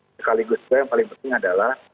sekaligus juga yang paling penting adalah